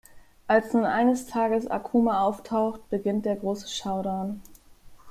Als nun eines Tages Akuma auftaucht beginnt der große Showdown.